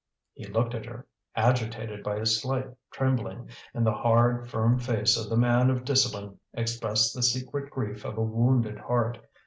He looked at her, agitated by a slight trembling, and the hard firm face of the man of discipline expressed the secret grief of a wounded heart.